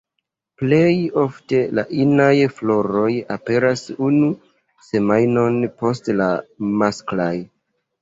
Plej ofte la inaj floroj aperas unu semajnon post la masklaj.